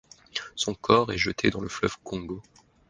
Son corps est jeté dans le fleuve Congo.